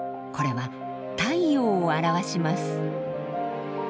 これは太陽を表します。